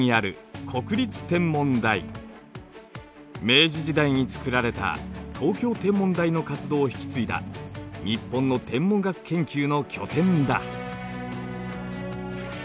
明治時代に造られた東京天文台の活動を引き継いだ日本の天文学研究の拠点だ。